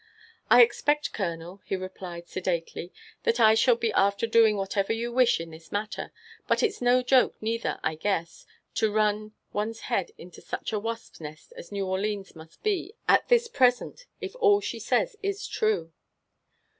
" I expect, colonel," he replied sedately, '* that I shall be after doing whatever you wish in this matter; but it's no joke neither, I guess, to run one's head into such a wasp's nest as New Orleans must be at this present, if all she says is true."